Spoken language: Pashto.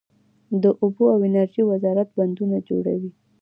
د اوبو او انرژۍ وزارت بندونه جوړوي؟